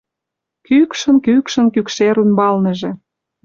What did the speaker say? Кӱкшын-кӱкшын кӱкшер ӱмбалныже